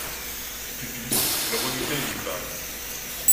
Stupide, il redoutait une balle.